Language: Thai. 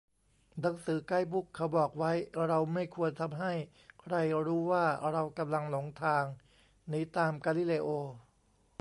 "หนังสือไกด์บุ๊กเขาบอกไว้ เราไม่ควรทำให้ใครรู้ว่าเรากำลังหลงทาง " หนีตามกาลิเลโอ